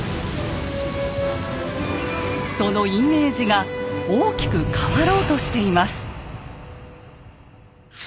そのイメージが大きく変わろうとしています。